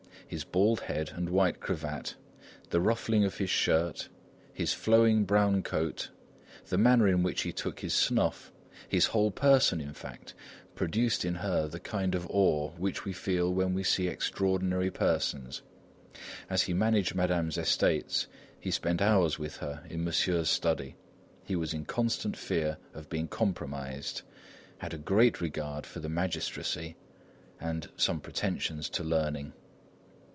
His bald head and white cravat, the ruffling of his shirt, his flowing brown coat, the manner in which he took his snuff, his whole person, in fact, produced in her the kind of awe which we feel when we see extraordinary persons. As he managed Madame's estates, he spent hours with her in Monsieur's study; he was in constant fear of being compromised, had a great regard for the magistracy and some pretensions to learning.